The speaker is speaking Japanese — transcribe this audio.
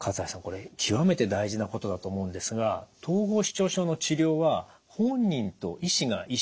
これ極めて大事なことだと思うんですが統合失調症の治療は本人と医師が一緒に考えてなんですね。